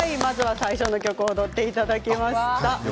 最初の曲を踊っていただきました。